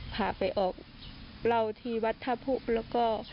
ภาไปออกเปล่าที่วัฒนภพแล้วก็